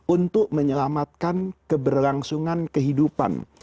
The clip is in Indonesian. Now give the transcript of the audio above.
untuk menyelamatkan keberlangsungan kehidupan